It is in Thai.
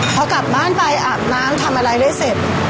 พอกลับบ้านไปอาบน้ำทำอะไรได้เสร็จ